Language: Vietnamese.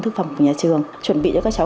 thực phẩm của nhà trường chuẩn bị cho các cháu